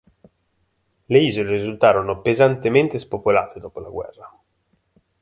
Le isole risultarono pesantemente spopolate dopo la guerra.